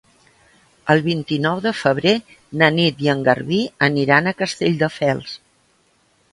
El vint-i-nou de febrer na Nit i en Garbí aniran a Castelldefels.